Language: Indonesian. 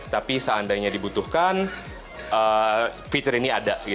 tapi seandainya dibutuhkan fitur ini ada